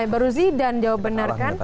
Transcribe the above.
baru zidan jawab benar kan